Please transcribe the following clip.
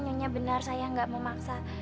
nyonya benar saya gak mau maksa